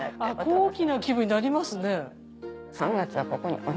高貴な気分になりますね。